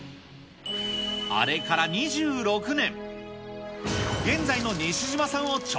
あれから２６年。